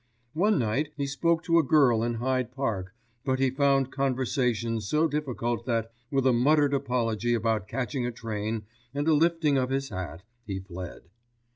One night he spoke to a girl in Hyde Park, but he found conversation so difficult that, with a muttered apology about catching a train and a lifting of his hat, he fled.